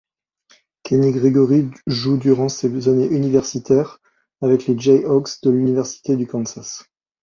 Kenny Gregory joue durant ses années universitaires avec les Jayhawks de l'université du Kansas.